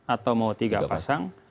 atau mau tiga pasang